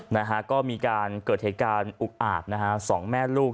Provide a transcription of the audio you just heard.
นะฮะก็มีการเกิดถิกาอุ้คอาฆสองแม่ลูก